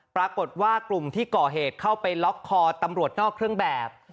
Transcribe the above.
ปรากฏว่ากลุ่มที่ก่อเหตุเข้าไปล็อกคอตำรวจนอกเครื่องแบบ